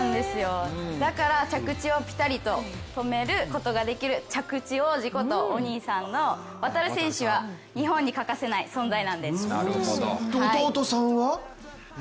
だから着地をピタリと止めることができる、着地王子ことお兄さんの航選手は日本に欠かせない存在なんです。